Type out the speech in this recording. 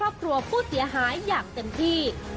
ครอบครัวผู้เสียหายอย่างเต็มที่